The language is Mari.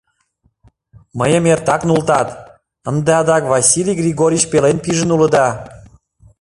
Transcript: Мыйым эртак нултат, ынде адак Василий Григорич пелен пижын улыда.